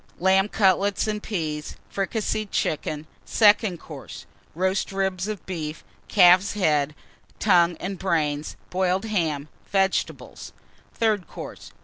Lamb Cutlets and Peas. Fricasseed Chicken. SECOND COURSE. Roast Ribs of Beef. Half Calf's Head, Tongue, and Brains. Boiled Ham. Vegetables. THIRD COURSE.